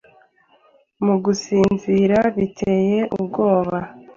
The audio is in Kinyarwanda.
Mu gusinzira biteye ubwoba;